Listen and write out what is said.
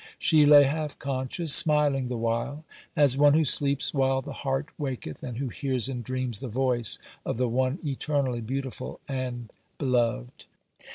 She lay half conscious, smiling the while, as one who sleeps while the heart waketh, and who hears in dreams the voice of the One Eternally Beautiful and Beloved.